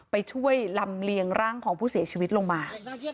ไปช่วยลำเลียงร่างของผู้เสียชีวิตลงมา